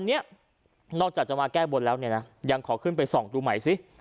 อันนี้นอกจากจะมาแก้บนแล้วเนี่ยนะยังขอขึ้นไปส่องดูใหม่สิ